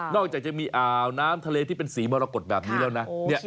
จากจะมีอ่าวน้ำทะเลที่เป็นสีมรกฏแบบนี้แล้วนะ